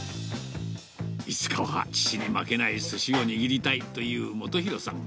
いつかは父に負けないすしを握りたいという元洋さん。